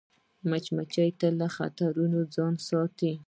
مچمچۍ تل له خطرونو ځان ساتي